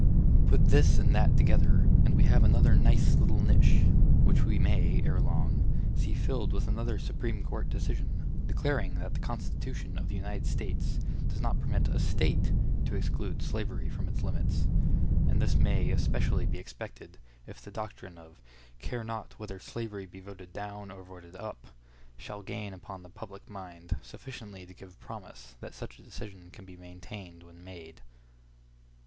Put this and that together, and we have another nice little niche, which we may, ere long, see filled with another Supreme Court decision, declaring that the Constitution of the United States does not permit a State to exclude slavery from its limits. And this may especially be expected if the doctrine of "care not whether slavery be voted down or voted up," shall gain upon the public mind sufficiently to give promise that such a decision can be maintained when made.